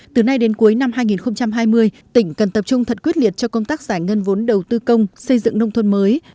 từ nay đến cuối năm hai nghìn hai mươi tỉnh cần tập trung thật quyết liệt cho công tác giải ngân vốn đầu tư công xây dựng nông thôn mới